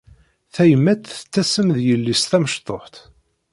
Tayemmat tettasem di yelli-s tamecṭuḥt.